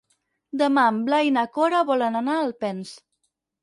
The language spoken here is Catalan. Demà en Blai i na Cora volen anar a Alpens.